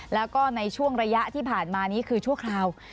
แล้วก็ในช่วงระยะที่ผ่านมานี้คือชั่วคราว